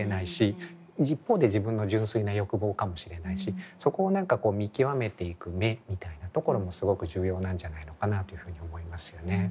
一方で自分の純粋な欲望かもしれないしそこを何か見極めていく目みたいなところもすごく重要なんじゃないのかなというふうに思いますよね。